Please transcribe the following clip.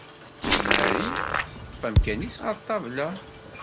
Mari teṭṭef amkan-is ɣer ṭṭabla.